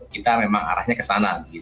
kita memang arahnya kesana gitu